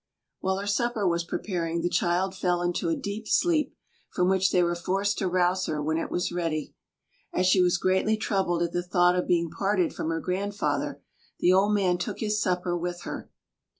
While her supper was preparing, the child fell into a deep sleep, from which they were forced to rouse her when it was ready. As she was greatly troubled at the thought of being parted from her grandfather, the old man took his supper with her.